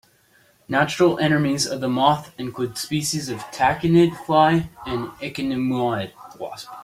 Natural enemies of the moth include species of tachinid fly and ichneumonid wasp.